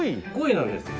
５位なんですよ。